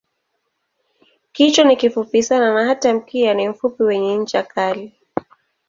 Kichwa ni kifupi sana na hata mkia ni mfupi wenye ncha kali.